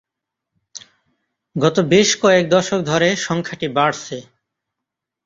গত বেশ কয়েক দশক ধরে সংখ্যাটি বাড়ছে।